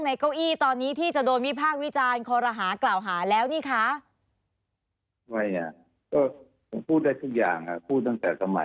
สนุนโดยน้ำดื่มสิง